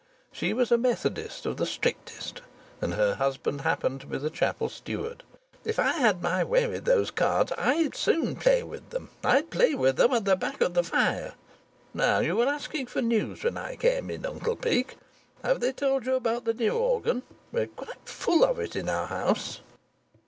She was a Methodist of the strictest, and her husband happened to be chapel steward. "If I had my way with those cards I'd soon play with them; I'd play with them at the back of the fire. Now you were asking for news when I came in, Uncle Peake. Have they told you about the new organ? We're quite full of it at our house."